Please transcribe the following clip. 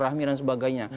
yang keempat itu